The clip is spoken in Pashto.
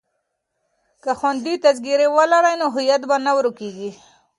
که خویندې تذکره ولري نو هویت به نه ورکيږي.